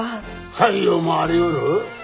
採用もありうる？